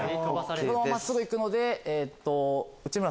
そのまま真っすぐ行くので。